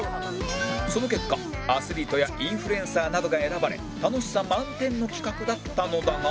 その結果アスリートやインフルエンサーなどが選ばれ楽しさ満点の企画だったのだが